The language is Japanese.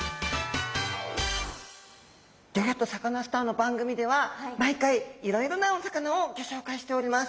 「ギョギョッとサカナ★スター」の番組では毎回いろいろなお魚をギョ紹介しております。